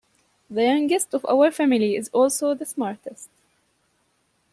The youngest of our family is also the smartest.